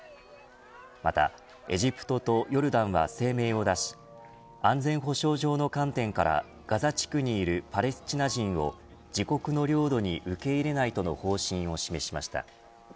またエジプトとヨルダンは声明を出し安全保障上の観点からガザ地区にいるパレスチナ人を自国の領土に受け入れないとの方針を示しました。